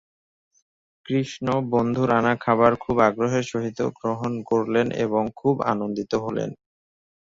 কৃষ্ণ, বন্ধুর আনা খাবার খুব আগ্রহের সহিত গ্রহণ করলেন, এবং খুব আনন্দিত হলেন।